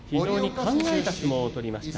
考えた相撲を取りました